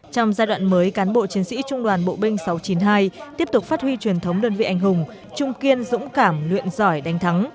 trong giai đoạn mới cán bộ chiến sĩ trung đoàn bộ binh sáu trăm chín mươi hai tiếp tục phát huy truyền thống đơn vị anh hùng trung kiên dũng cảm luyện giỏi đánh thắng